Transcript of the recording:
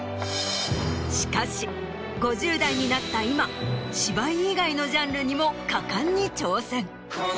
しかし５０代になった今芝居以外のジャンルにも果敢に挑戦。